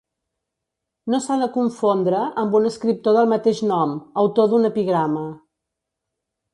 No s'ha de confondre amb un escriptor del mateix nom, autor d'un epigrama.